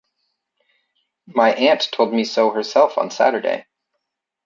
My aunt told me so herself on Saturday.